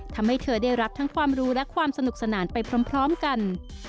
ทำให้เธอได้รับทั้งความรู้และความสนุกสนานไปพร้อมกัน